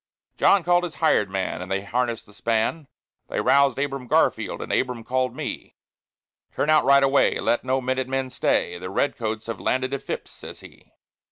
John called his hired man, and they harnessed the span; They roused Abram Garfield, and Abram called me: "Turn out right away; let no minute man stay; The Red Coats have landed at Phips's," says he.